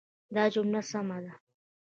دا جمله سمه ده.